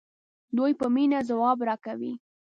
دوی په مینه ځواب راکوي.